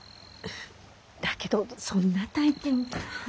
だけどそんな大金。